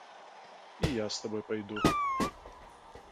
І я з табой пайду.